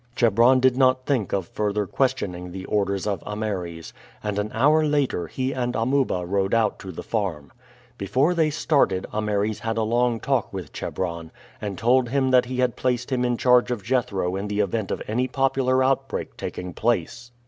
Chebron did not think of further questioning the orders of Ameres, and an hour later he and Amuba rode out to the farm. Before they started Ameres had a long talk with Chebron, and told him that he had placed him in charge of Jethro in the event of any popular outbreak taking place.